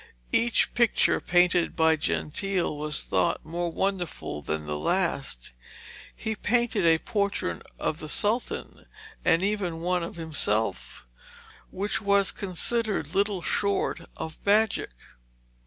Each picture painted by Gentile was thought more wonderful than the last. He painted a portrait of the Sultan, and even one of himself, which was considered little short of magic.